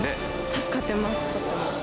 助かってます。